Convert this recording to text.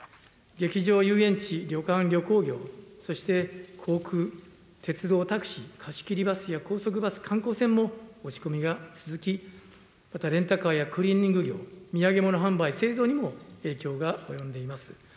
劇場、遊園地、旅館、旅行業、そして航空、鉄道、タクシー、貸し切りバスや高速バス、観光船も落ち込みが続き、またレンタカーやクリーニング業、土産物販売・製造にも影響が及んでいます。